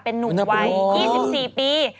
เป็นนุ่มวัย๒๔ปี